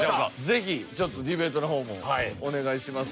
ぜひちょっとディベートの方もお願いします。